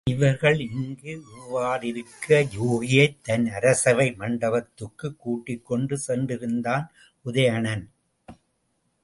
இவர்கள் இங்கு இவ்வாறிருக்க யூகியைத் தன் அரசவை மண்டபத்துக்குக் கூட்டிக்கொண்டு சென்றிருந்தான் உதயணன்.